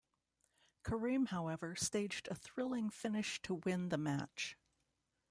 Karim, however, staged a thrilling finish to win the match.